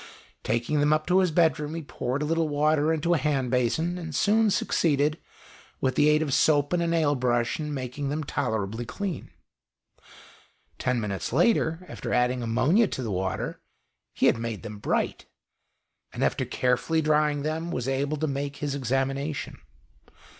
Taking them up to his bedroom he poured a little water into a hand basin, and soon succeeded, with the aid of soap and a nail brush, in making them tolerably clean. Ten minutes later, after adding ammonia to the water, he had made them bright, and after carefully drying them, was able to make his examination.